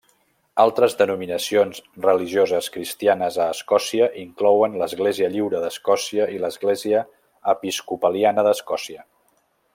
Altres denominacions religioses cristianes a Escòcia inclouen l'Església lliure d'Escòcia i l'Església episcopaliana d'Escòcia.